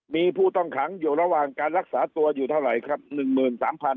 มีผู้ต้องขังอยู่ระหว่างการรักษาตัวอยู่เท่าไรครับหนึ่งหมื่นสามพัน